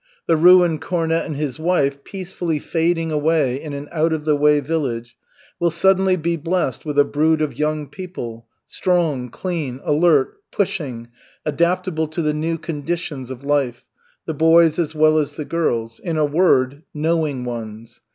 The ruined cornet and his wife, peacefully fading away in an out of the way village, will suddenly be blessed with a brood of young people, strong, clean, alert, pushing, adaptable to the new conditions of life the boys as well as the girls in a word, "knowing ones."